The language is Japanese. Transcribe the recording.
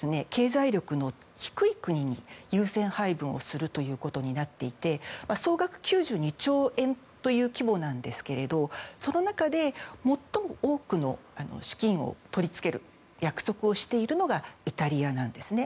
これは極力優先配分をするということになっていて総額９２兆円という規模なんですけれどその中で、最も多くの資金を取り付ける約束をしているのがイタリアなんですね。